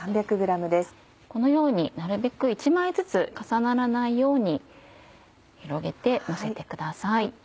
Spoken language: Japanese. このようになるべく１枚ずつ重ならないように広げてのせてください。